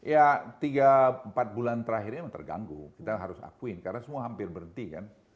ya tiga empat bulan terakhir ini memang terganggu kita harus akuin karena semua hampir berhenti kan